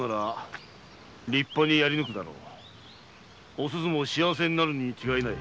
お鈴も幸せになるに違いない。